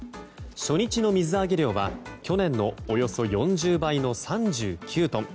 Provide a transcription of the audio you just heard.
初日の水揚げ量は去年のおよそ４０倍の３９トン。